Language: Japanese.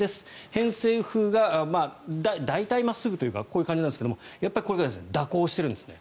偏西風が大体真っすぐというかこういう感じなんですがやっぱりこれが蛇行してるんですね。